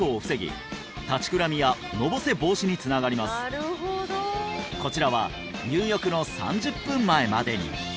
はい他にもこちらは入浴の３０分前までに！